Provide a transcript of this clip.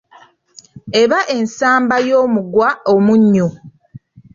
Eba ensamba y'omugwa omunnyu.